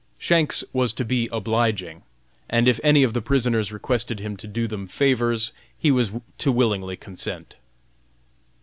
Shanks was to be obliging, and if any of the prisoners requested him to do them favors, he was to willingly consent.